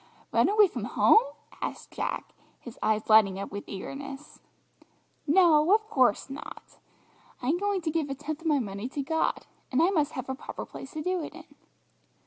"Run away from home?" asked Jack, his eyes lighting up with eagerness. "No, of course not. I'm going to give a tenth of my money to God, and I must have a proper place to do it in."